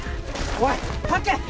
おいっ吐け！